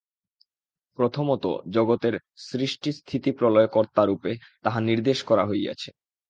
প্রথমত জগতের সৃষ্টিস্থিতিপ্রলয়-কর্তারূপে তাহা নির্দেশ করা হইয়াছে।